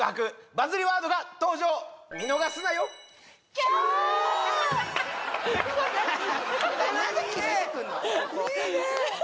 バズりワードが登場それいいねいいね！